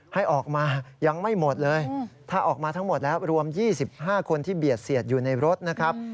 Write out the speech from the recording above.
ให้ออกมายังไม่หมดเลยถ้าออกมาทั้งหมดแล้วรวม๒๕คนที่เบียดเสียดอยู่ในรถนะครับ